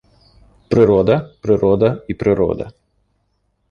Прырода, прырода і прырода.